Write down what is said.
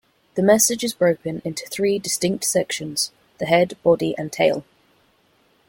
The message is broken into three distinct sections: the head, body and tail.